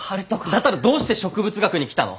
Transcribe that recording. だったらどうして植物学に来たの？